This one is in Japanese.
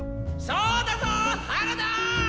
そうだぞ原田！